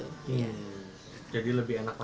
jadi lebih enak pakai